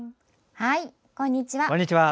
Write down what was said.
はい、こんにちは。